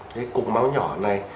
cái cục máu nhỏ này